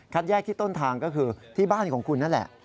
แยกที่ต้นทางก็คือที่บ้านของคุณนั่นแหละ